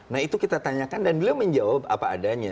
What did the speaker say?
nah itu kita tanyakan dan beliau menjawab apa adanya